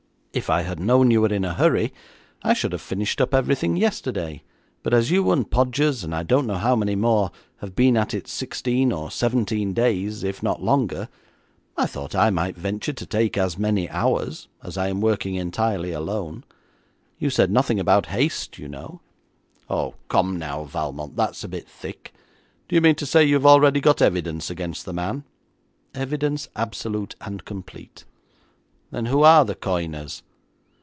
If I had known you were in a hurry, I should have finished up everything yesterday, but as you and Podgers, and I don't know how many more, have been at it sixteen or seventeen days, if not longer, I thought I might venture to take as many hours, as I am working entirely alone. You said nothing about haste, you know.' 'Oh, come now, Valmont, that's a bit thick. Do you mean to say you have already got evidence against the man?' 'Evidence absolute and complete.' 'Then who are the coiners?'